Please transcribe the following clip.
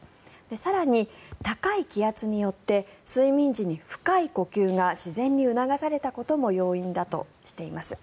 更に、高い気圧によって睡眠時に深い呼吸が自然に促されたことも要因だとしています。